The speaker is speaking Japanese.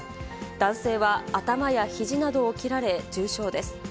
男性は頭やひじなどを切られ重傷です。